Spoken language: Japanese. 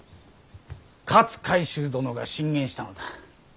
勝海舟殿が進言したのだ。